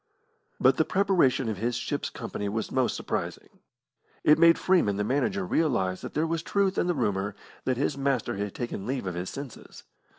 But the preparation of his ship's company was most surprising. It made Freeman, the manager, realise that there was truth in the rumour that his master had taken leave of his senses.